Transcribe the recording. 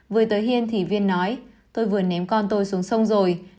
vừa tới hiên thì h viên nói tôi vừa ném con tôi xuống sông rồi